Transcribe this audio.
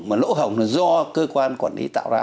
mà lỗ hổng là do cơ quan quản lý tạo ra